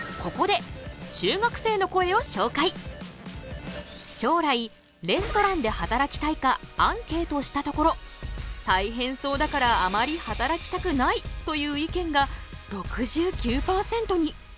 ここで将来レストランで働きたいかアンケートしたところたいへんそうだからあまり働きたくないという意見が６９％に。